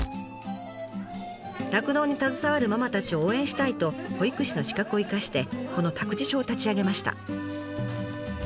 酪農に携わるママたちを応援したいと保育士の資格を生かしてこの託児所を立ち上げました。